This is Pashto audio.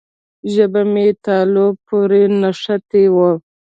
ژبه مې تالو پورې نښتې وه.